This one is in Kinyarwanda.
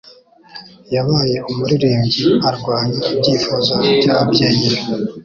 Yabaye umuririmbyi arwanya ibyifuzo byababyeyi be.